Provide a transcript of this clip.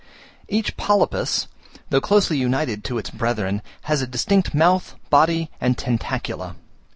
Each polypus, though closely united to its brethren, has a distinct mouth, body, and tentacula.